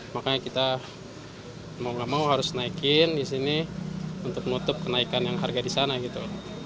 makanya kita mau gak mau harus naikin di sini untuk nutup kenaikan yang harga di sana gitu